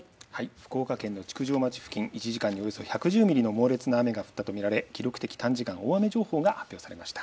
福岡県の築上町付近１時間におよそ１１０ミリの猛烈な雨が降ったと見られ記録的短時間大雨情報が発表されました。